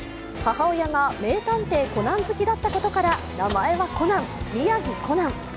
母親が「名探偵コナン」好きだったことから名前はコナン、宮城誇南。